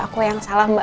aku yang salah mbak